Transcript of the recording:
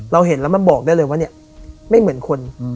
เห็นแล้วมันบอกได้เลยว่าเนี่ยไม่เหมือนคน